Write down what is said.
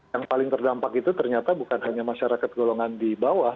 yang paling terdampak itu ternyata bukan hanya masyarakat golongan di bawah